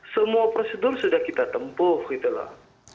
semua prosedur sudah kita tempuh gitu loh